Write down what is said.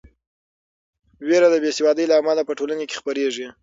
وېره د بې سوادۍ له امله په ټولنه کې خپریږي.